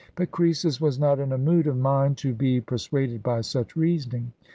But Croesus was not in a mood of mind to be per suaded by such reasoning.